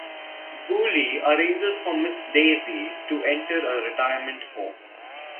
Boolie arranges for Miss Daisy to enter a retirement home.